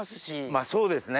まっそうですね。